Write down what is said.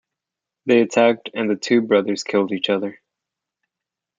They attacked and the two brothers killed each other.